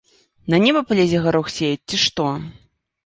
На неба палезе гарох сеяць, ці што?